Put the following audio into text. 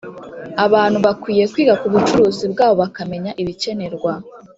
Abantu bakwiye kwiga ku bucuruzi bwabo bakamenya ibikenerwa